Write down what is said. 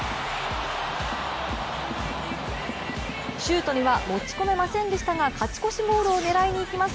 シュートには持ち込めませんでしたが、勝ち越しゴールを狙いに行きます。